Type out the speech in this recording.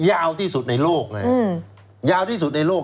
ยาวที่สุดในโลกนะยาวที่สุดในโลก